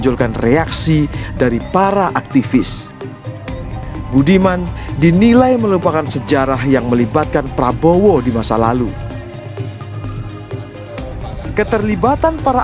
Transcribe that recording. selain keputusan partai budiman sujatmiko menjadi cerita tersendiri menjelang pemilihan presiden prabowo subianto menjadi cerita tersendiri menjelang pemilihan presiden prabowo subianto menjadi cerita tersendiri menjelang pemilihan presiden prabowo subianto